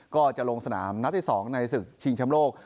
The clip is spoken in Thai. ก็จะลงสนามนัดที่๒ในศึกชิงชำโลก